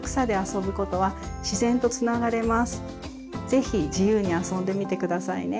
是非自由にあそんでみて下さいね。